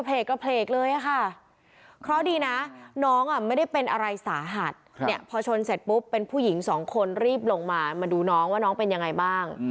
กระเพลกเลยค่ะเพราะดีนะน้องไม่ได้เป็นอะไรสาหัสเนี่ยพอชนเสร็จปุ๊บเป็นผู้หญิงสองคนรีบลงมามาดูน้องว่าน้องเป็นยังไงบ้าง